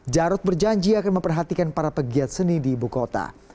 jarod berjanji akan memperhatikan para pegiat seni di ibu kota